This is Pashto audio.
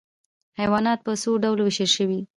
حیوانات په څو ډلو ویشل شوي؟